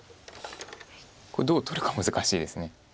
これどう取るか難しいです。